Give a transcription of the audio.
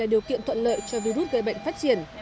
điều kiện thuận lợi cho virus gây bệnh phát triển